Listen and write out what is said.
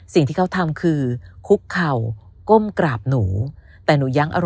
สิ่งที่เขาทำคือคุกเข่าก้มกราบหนูแต่หนูยังอารม